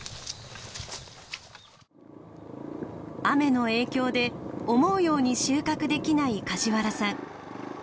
雨の影響で思うように収穫できない梶原さん。